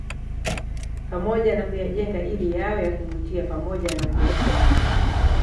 Pamoja na kuyajenga ili yawe ya kuvutia pamoja na kuyatangaza